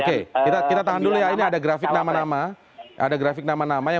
kemudian tuan guru bajang